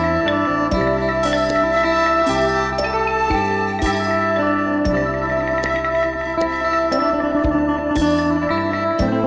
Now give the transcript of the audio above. สังคมมือเป็นจริงที่เกียรภาวน์และช่อมีความเนี้ยมี้